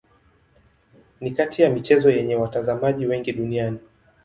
Ni kati ya michezo yenye watazamaji wengi duniani.